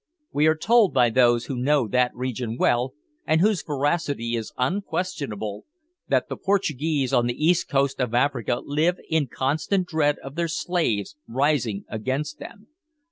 We are told by those who know that region well, and whose veracity is unquestionable, that the Portuguese on the east coast of Africa live in constant dread of their slaves rising against them.